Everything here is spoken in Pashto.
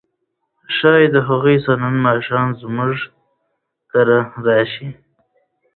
ښايي هغوی نن ماښام زموږ کره راشي.